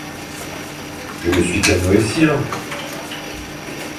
Je ne suis qu'un Noétien.